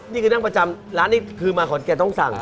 นี่คือนั่งประจำร้านนี่คือมาขอนแก่นต้องสั่ง